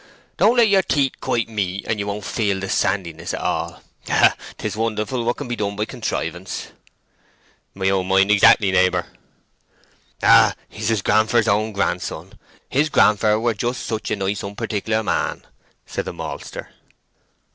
"Don't let your teeth quite meet, and you won't feel the sandiness at all. Ah! 'tis wonderful what can be done by contrivance!" "My own mind exactly, neighbour." "Ah, he's his grandfer's own grandson!—his grandfer were just such a nice unparticular man!" said the maltster.